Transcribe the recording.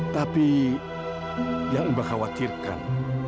tapi jangan mbak khawatirkan